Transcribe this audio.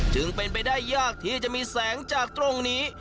จึงเป็นไปได้ยากที่จะมีแสงจากตรงนี้